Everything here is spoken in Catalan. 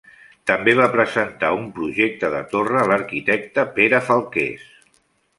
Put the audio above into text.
També va presentar un projecte de torre l'arquitecte Pere Falqués.